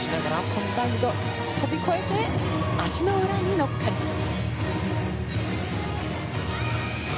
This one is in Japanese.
コンバインド飛び越えて足の裏に乗っかります。